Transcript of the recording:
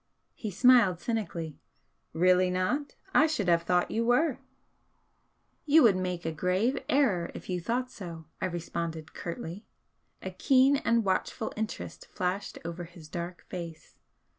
He smiled cynically. "Really not? I should have thought you were!" "You would make a grave error if you thought so," I responded, curtly. A keen and watchful interest flashed over his dark face.